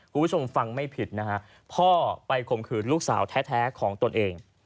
คุณผู้ชมฟังไม่ผิดนะฮะพ่อไปข่มขืนลูกสาวแท้ของตนเอง